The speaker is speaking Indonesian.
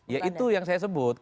ya itu yang saya sebut